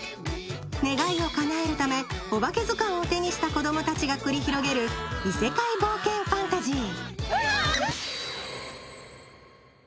願いをかなえるため、「おばけずかん」を手にした子供たちが繰り広げる異世界冒険ファンタジー。